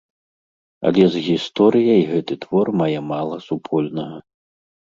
Але з гісторыяй гэты твор мае мала супольнага.